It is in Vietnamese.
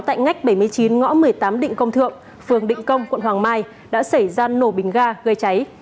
tại ngách bảy mươi chín ngõ một mươi tám định công thượng phường định công quận hoàng mai đã xảy ra nổ bình ga gây cháy